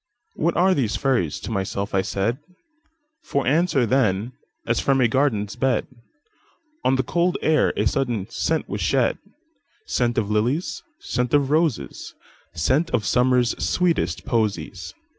"What are these fairies?" to myself I said; For answer, then, as from a garden's bed, On the cold air a sudden scent was shed,—Scent of lilies, scent of roses, Scent of Summer's sweetest posies.